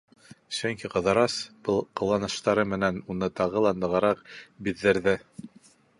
Сөнки Ҡыҙырас был ҡыланыштары менән уны тағы ла нығыраҡ биҙҙерҙе.